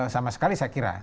sama sekali saya kira